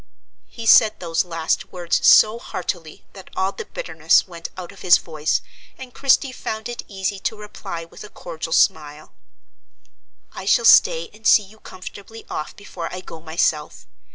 He said those last words so heartily that all the bitterness went out of his voice, and Christie found it easy to reply with a cordial smile: "I shall stay and see you comfortably off before I go myself.